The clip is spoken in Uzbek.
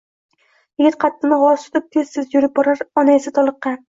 Yigit qaddini g’oz tutib tez-tez yurib borar, ona esa toliqqan